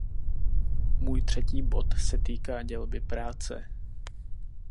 Můj třetí bod se týká dělby práce.